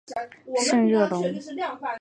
圣热龙。